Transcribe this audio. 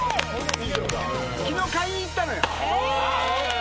昨日買いに行ったのよ。